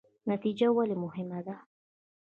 نتیجه ولې مهمه ده؟